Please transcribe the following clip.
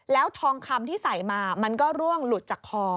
แล้วทองคำที่ใส่มามันก็ร่วงหลุดจากคอ